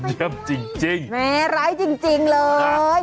อยู่นี่หุ่นใดมาเพียบเลย